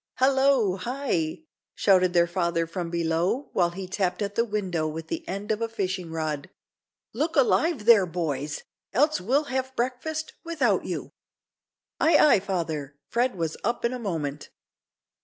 "Hallo! hi!" shouted their father from below, while he tapped at the window with the end of a fishing rod. "Look alive there, boys, else we'll have breakfast without you." "Ay, ay, father!" Fred was up in a moment.